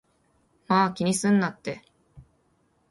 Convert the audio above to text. まぁ、気にすんなって